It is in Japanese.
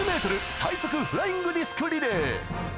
最速フライングディスクリレー。